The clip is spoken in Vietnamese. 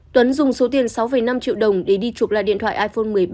tuấn dùng số tiền sáu năm triệu đồng để đi chụp lại điện thoại iphone một mươi ba